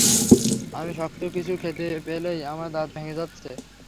আমি শক্ত কিছু খেতে গেলেই আমার দাঁত ভেঙ্গে যাচ্ছে।